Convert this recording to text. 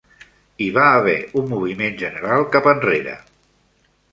Hi va haver un moviment general cap enrere.